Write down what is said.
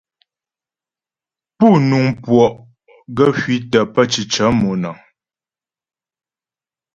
Pú nuŋ puɔ' gaə́ hwitə pə́ cǐcə monəŋ.